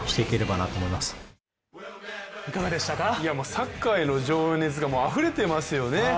サッカーへの情熱があふれてますよね。